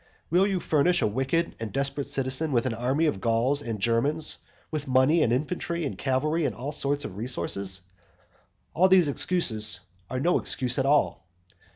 Will you furnish a wicked and desperate citizen with an army of Gauls and Germans, with money, and infantry, and cavalry, and all sorts of resources? All these excuses are no excuse at all.